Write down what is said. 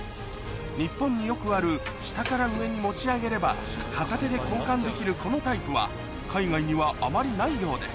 日本によくある下から上に持ち上げれば片手で交換できるこのタイプは海外にはあまりないようです